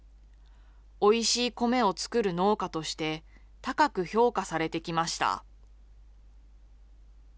おいしい米を作る農家として、高く評価されてきました。